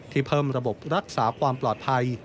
เพิ่มระบบรักษาความปลอดภัย